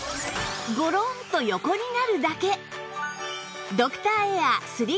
ごろんと横になるだけ